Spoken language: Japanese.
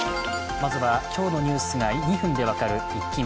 まずは今日のニュースが２分で分かるイッキ見。